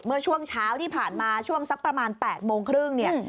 เมื่อช่วงเช้าที่ผ่านมาช่วงสักประมาณ๘โมงครึ่งเนี่ย